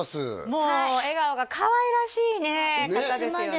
もう笑顔でかわいらしいね方ですよね